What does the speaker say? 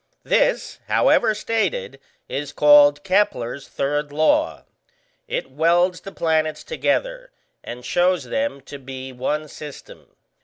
This (however stated) is called Kepler's third law. It welds the planets together, and shows them to be one system.